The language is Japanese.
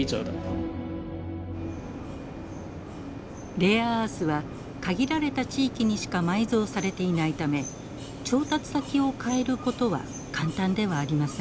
レアアースは限られた地域にしか埋蔵されていないため調達先をかえることは簡単ではありません。